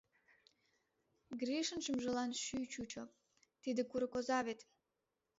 Гришын шӱмжылан шуй-й! чучо: «Тиде курык оза вет!